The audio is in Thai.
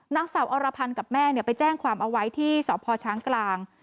นางสาวอรพันธ์กับแม่ไปแจ้งความเอาไว้ที่สพช้างกลาง